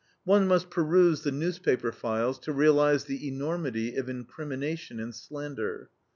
One must peruse the newspaper files to realize the enormity of incrimination and slander.